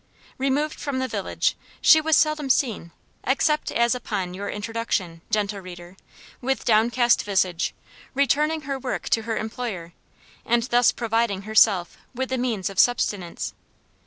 Removed from the village, she was seldom seen except as upon your introduction, gentle reader, with downcast visage, returning her work to her employer, and thus providing herself with the means of subsistence.